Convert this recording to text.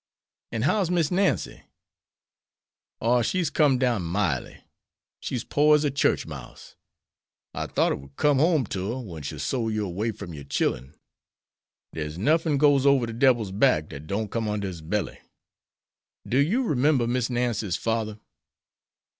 "An' how's Miss Nancy?" "Oh, she's com'd down migh'ly. She's pore as a church mouse. I thought 'twould com'd home ter her wen she sole yer 'way from yore chillen. Dere's nuffin goes ober de debil's back dat don't come under his belly. Do yo 'member Miss Nancy's fardder?"